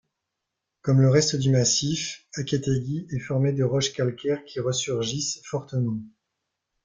Comme le reste du massif, Aketegi est formé de roches calcaires qui ressurgissent fortement.